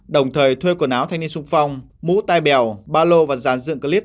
đồng thời thuê quần áo thanh niên xung phong mũ tai bèo ba lô và dàn dựng clip